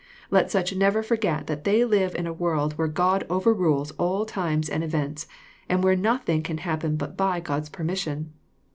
Let such never forget that they live in a world where God overrules a ll ti mes and events, and where nothing cag happen but_by God's permission.